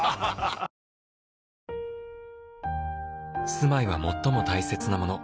「住まいは最も大切なもの」